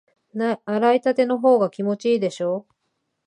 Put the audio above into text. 洗いたてのほうが気持ちいいでしょ？